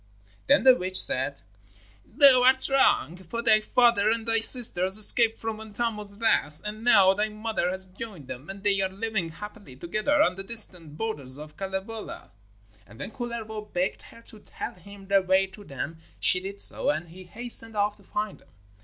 Then the witch said: 'Thou art wrong, for thy father and thy sisters escaped from Untamo's wrath, and now thy mother has joined them and they are living happily together on the distant borders of Kalevala.' And when Kullervo begged her to tell him the way to them she did so, and he hastened off to find them.